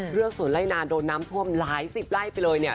สวนไล่นานโดนน้ำท่วมหลายสิบไร่ไปเลยเนี่ย